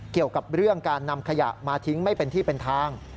เกี่ยวกับเรื่องการนำขยะมาทิ้งไม่เป็นที่เป็นทาง